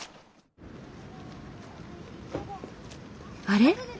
あれ？